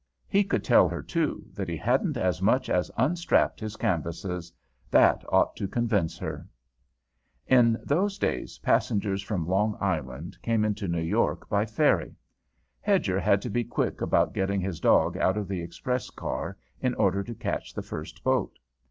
He could tell her, too, that he hadn't as much as unstrapped his canvases, that ought to convince her. In those days passengers from Long Island came into New York by ferry. Hedger had to be quick about getting his dog out of the express car in order to catch the first boat.